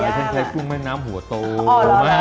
ฉันใช้กุ้งแม่น้ำหัวโตมาก